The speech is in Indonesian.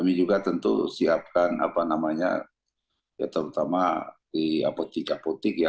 kami juga tentu siapkan apa namanya ya terutama di tiga potik ya